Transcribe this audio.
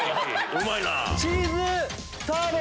うまいな！